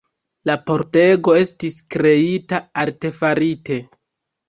La pordego estis kreita artefarite.